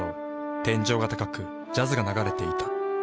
天井が高くジャズが流れていた。